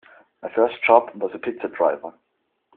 My first job was as a pizza driver.